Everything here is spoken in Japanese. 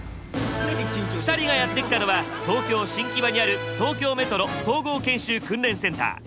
２人がやって来たのは東京新木場にある東京メトロ総合研修訓練センター。